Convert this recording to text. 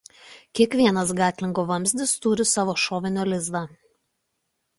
Kiekvienas gatlingo vamzdis turi savo šovinio lizdą.